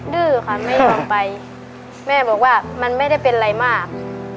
ดื้อค่ะไม่ยอมไปแม่บอกว่ามันไม่ได้เป็นอะไรมาก